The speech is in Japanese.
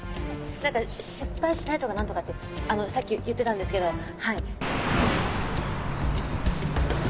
なんか「失敗しない」とかなんとかってさっき言ってたんですけどはい。